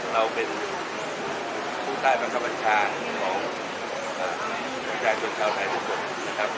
เราเป็นผู้ใจประกับชาญของชายตนชาวไทยทุกคน